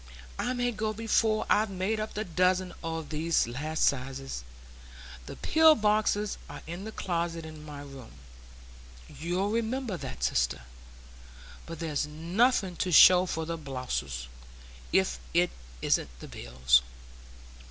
I may go before I've made up the dozen o' these last sizes. The pill boxes are in the closet in my room,—you'll remember that, sister,—but there's nothing to show for the boluses, if it isn't the bills."